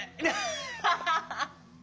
アハハハ！